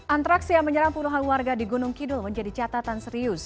antraks yang menyerang puluhan warga di gunung kidul menjadi catatan serius